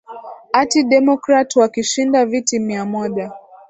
ati democrat wakishinda viti mia moja